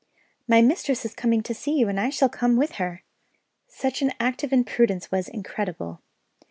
"My mistress is coming to see you, and I shall come with her." Such an act of imprudence was incredible.